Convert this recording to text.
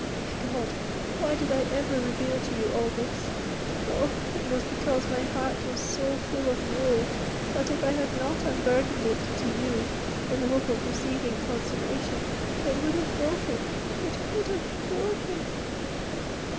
My God! why did I ever reveal to you all this? Oh! it was because my heart was so full of woe, that if I had not unburthened it to you in the hope of receiving consolation, it would have broken—it would have broken!"